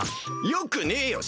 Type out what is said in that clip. よくねぇよ！